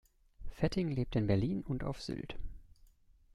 Fetting lebt in Berlin und auf Sylt.